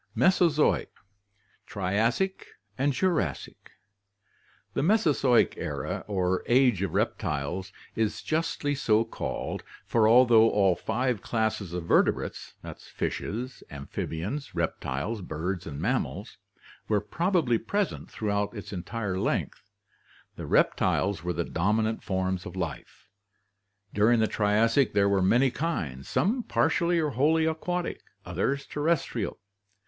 Mesozoic Triassic and Jurassic. — The Mesozoic era or Age of Reptiles is justly so called, for although all five classes of vertebrates (fishes, amphibians, reptiles, birds, mammals) were probably present throughout its entire length, the reptiles were the dominant forms of life. During the Triassic there were many kinds, some partially or wholly aquatic, others terrestrial.